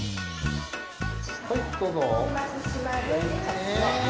はいどうぞ。